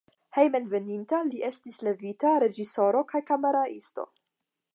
Hejmenveninta li estis levita reĝisoro kaj kameraisto.